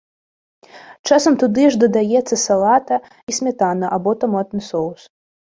Часам туды ж дадаецца салата і смятана або таматны соус.